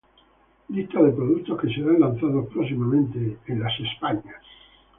Lista de productos que serán lanzados próximamente en España.